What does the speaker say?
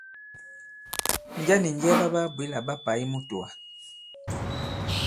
Njɛ nì njɛ ɓa ɓaa-bwě là ɓa pà i mutōwà?